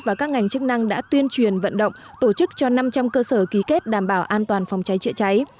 và các ngành chức năng đã tuyên truyền vận động tổ chức cho năm trăm linh cơ sở ký kết đảm bảo an toàn phòng cháy chữa cháy